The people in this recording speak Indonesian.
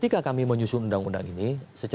kalau video tersebut lebih kccol niree